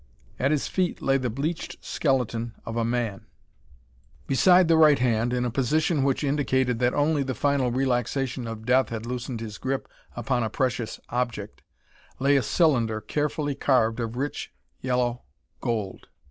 At his feet lay the bleached skeleton of a man. Beside the right hand, in a position which indicated that only the final relaxation of death had loosened his grip upon a precious object, lay a cylinder, carefully carved, of rich, yellow gold.